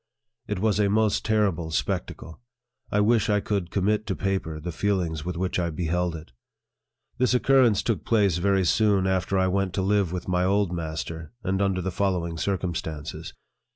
It was a most terrible spectacle. I wish I could commit to paper the feelings with which I beheld it. This occurrence took place very soon after I went to live with my old master, and under the following circumstances.